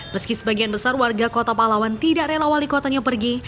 meski sebagian besar warga kota palawan tidak rela wali kotanya pergi